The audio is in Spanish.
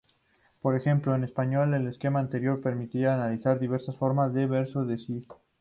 Por ejemplo, en español el esquema anterior permitiría analizar diversas formas del verbo "decir".